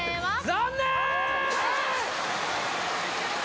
残念！